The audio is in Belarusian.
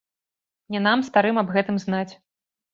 Не нам, старым, аб гэтым знаць.